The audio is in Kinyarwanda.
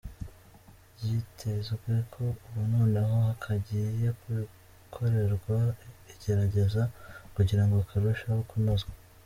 Byitezwe ko ubu noneho kagiye gukorerwa igerageza kugira ngo karusheho kunozwa.